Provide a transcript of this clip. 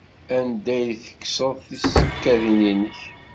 Anda ay tekkseḍ tisekkadin-nnek?